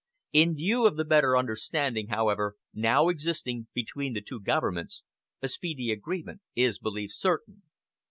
In view of the better understanding, however, now existing between the two governments, a speedy agreement is believed certain.'"